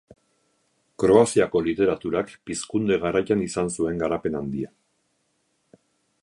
Kroaziako literaturak pizkunde garaian izan zuen garapen handia.